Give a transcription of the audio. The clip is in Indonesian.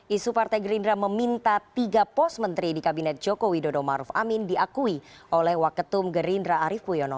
isu partai gerindra meminta tiga pos menteri di kabinet joko widodo maruf amin diakui oleh waketum gerindra arief puyono